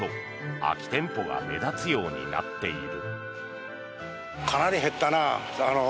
空き店舗が目立つようになっている。